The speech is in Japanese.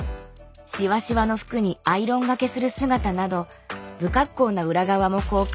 シワシワの服にアイロンがけする姿など不格好な裏側も公開。